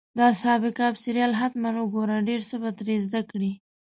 د اصحاب کهف سریال حتماً وګوره، ډېر څه به ترې زده کړې.